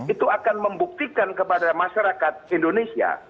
itu akan membuktikan kepada masyarakat indonesia